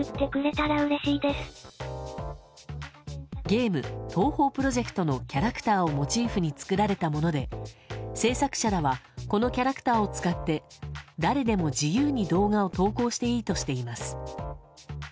ゲーム東方Ｐｒｏｊｅｃｔのキャラクターをモチーフに作られたもので制作者らはこのキャラクターを使って誰でも自由に動画を投稿していいとしています。